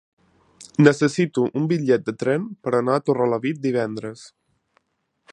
Necessito un bitllet de tren per anar a Torrelavit divendres.